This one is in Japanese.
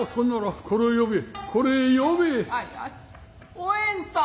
おえんさん。